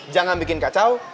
jangan bikin kacau